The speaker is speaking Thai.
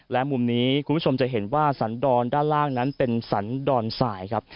และมุมนี้คุณผู้ชมจะเห็นว่าสันดรด้านล่างนั้นเป็นสันดอนสายครับ